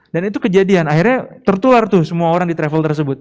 dan itu kejadian akhirnya tertular tuh semua orang di travel tersebut